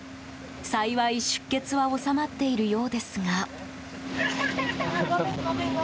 幸い、出血は収まっているようですが。